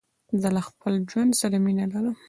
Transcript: زه له خپل ژوند سره مينه لرم.